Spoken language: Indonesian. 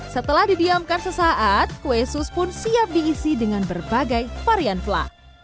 setelah didiamkan sesaat kue sus pun siap diisi dengan berbagai varian flah